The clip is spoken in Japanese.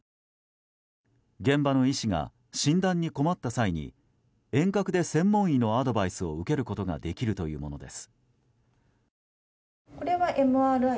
現場の医師が診断に困った際に遠隔で専門医のアドバイスを受けることができるというものです。